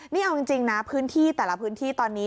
นี่เอาจริงนะพื้นที่แต่ละพื้นที่ตอนนี้